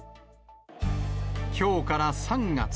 きょうから３月。